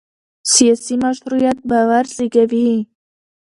سیاسي مشروعیت باور زېږوي